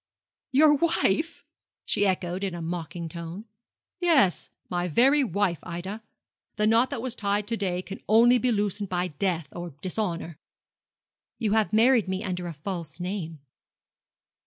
'Your wife?' she echoed, in a mocking voice. 'Yes, my very wife, Ida. The knot that was tied to day can only be loosened by death or dishonour.' 'You have married me under a false name.'